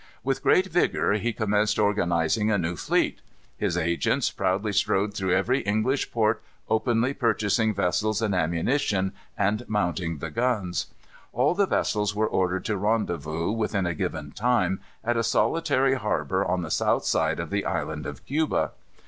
With great vigor he commenced organizing a new fleet. His agents proudly strode through every English port, openly purchasing vessels and ammunition, and mounting the guns. All the vessels were ordered to rendezvous, within a given time, at a solitary harbor on the south side of the Island of Cuba.